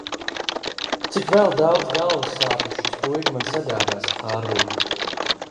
Cik vēl daudz galvassāpju šis puika man sagādās, Hārvij?